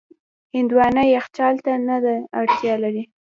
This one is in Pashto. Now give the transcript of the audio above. هندوانه یخچال ته نه ده اړتیا لري.